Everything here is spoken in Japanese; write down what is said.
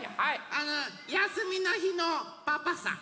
あのやすみのひのパパさん。